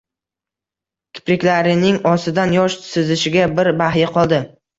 Kipriklarining ostidan yosh sizishiga bir bahya qoldi.